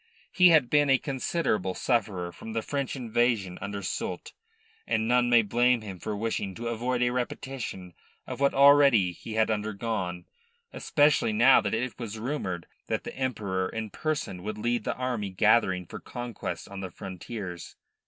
He had been a considerable sufferer from the French invasion under Soult, and none may blame him for wishing to avoid a repetition of what already he had undergone, especially now that it was rumoured that the Emperor in person would lead the army gathering for conquest on the frontiers.